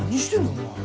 お前。